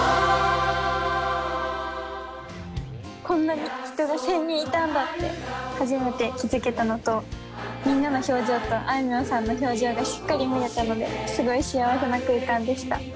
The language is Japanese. こんなに人が１，０００人いたんだって初めて気付けたのとみんなの表情とあいみょんさんの表情がしっかり見れたのですごい幸せな空間でした。